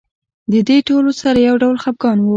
د دې ټولو سره یو ډول خپګان و.